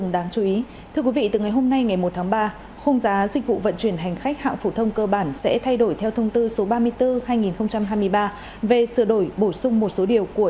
bàn hành không giá dịch vụ vận chuyển hành khách trên các đường bay nội địa